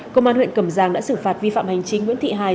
công an huyện cầm giang đã xử phạt vi phạm hành chính nguyễn thị hài